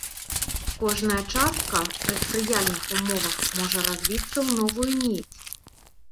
Кожная частка пры спрыяльных умовах можа развіцца ў новую ніць.